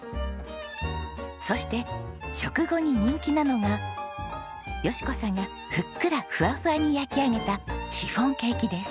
そして食後に人気なのが佳子さんがふっくらフワフワに焼き上げたシフォンケーキです。